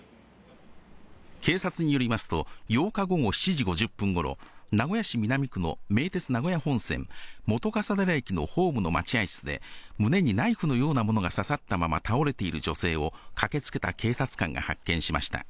警察によりますと、８日午後７時５０分ごろ、名古屋市南区の名鉄名古屋本線本笠寺駅のホームの待合室で、胸にナイフのようなものが刺さったまま倒れている女性を、駆けつけた警察官が発見しました。